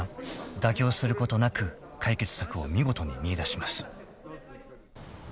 妥協することなく解決策を見事に見いだします］